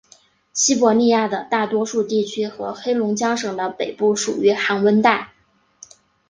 西伯利亚的大多数地区和黑龙江省的北部属于寒温带。